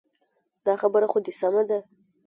دا خبره خو دې سمه ده.